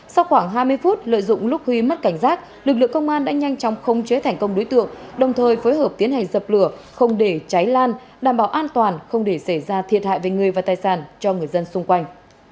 sau khoảng hai mươi phút lợi dụng lúc huy mất cảnh giác lực lượng công an đã nhanh chóng không chế thành công đối tượng đồng thời phối hợp tiến hành dập lửa không để cháy lan đảm bảo an toàn không để xảy ra thiệt hại về người và tài sản cho người dân xung quanh